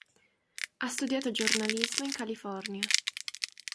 Ha studiato giornalismo in California.